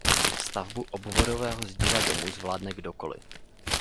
Stavbu obvodového zdiva domu zvládne kdokoli.